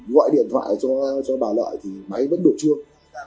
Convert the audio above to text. gọi điện thoại cho bà lậm thì máy vẫn đổ chuông